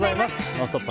「ノンストップ！」